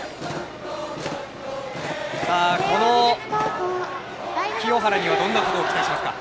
この清原にはどんなことを期待しますか？